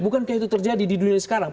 bukan kayak itu terjadi di dunia sekarang